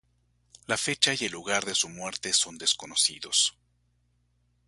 La fecha y el lugar de su muerte son desconocidos.